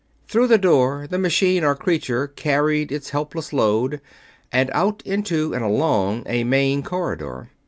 Through the door the machine or creature carried its helpless load, and out into and along a main corridor.